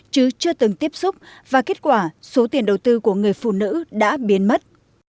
chứ chưa từng tiếp xúc và kết quả số tiền đầu tư của người phụ nữ đã biến mất